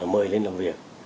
mời lên làm việc